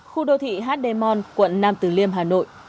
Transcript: khu đô thị hát đê môn quận nam tử liêm hà nội